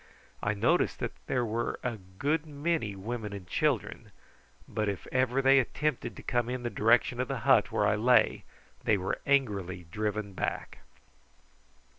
I noticed that there were a good many women and children, but if ever they attempted to come in the direction of the hut where I lay they were angrily driven back.